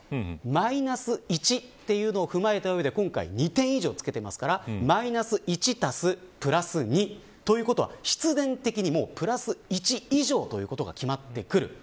マイナス１というのを踏まえた上で今回２点以上つけてますからマイナス１足すプラス２ということは必然的に、プラス１以上ということが決まってくる。